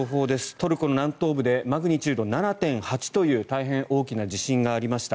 トルコの南東部でマグニチュード７．８という大変大きな地震がありました。